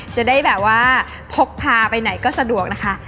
จะได้แบบว่าพกพาไปไหนก็สะดวกนะคะ